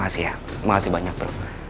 makasih ya makasih banyak bro